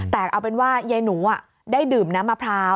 แต่เอาเป็นว่ายายหนูได้ดื่มน้ำมะพร้าว